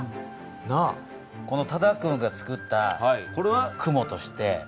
多田君がつくったこれは雲として。